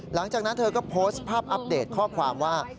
หลังจากนั้นเธอก็โพสต์ภาพอัปเดตข้อความว่า